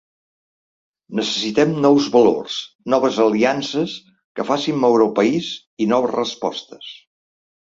Necessitem nous valors, noves aliances que facin moure el país i noves respostes.